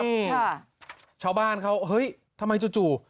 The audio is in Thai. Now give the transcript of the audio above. นี่ชาวบ้านเขาเฮ้ยทำไมจู่